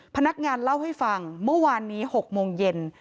พนักงานเล่าให้ฟังเมื่อวานนี้๖โมงเย็น